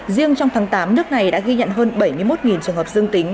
riêng trong tháng tám nước này đã ghi nhận hơn bảy mươi một trường hợp dương tính